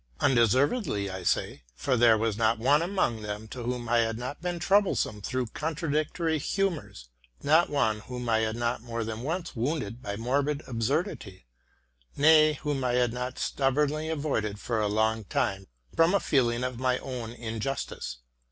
Undeservedly, I say; for there was not one among them to whom I had not been troublesome through contra dictory humors, not one whom I had not more than once wounded by morbid absurdity, — nay, whom I had not stub RELATING TO MY LIFE. 270 bornly avoided for a long time, from a feeling of my own injustice.